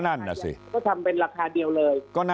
อย่างนั้นเนี่ยถ้าเราไม่มีอะไรที่จะเปรียบเทียบเราจะทราบได้ไงฮะเออ